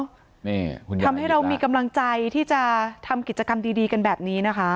นี่ทำให้เรามีกำลังใจที่จะทำกิจกรรมดีกันแบบนี้นะคะ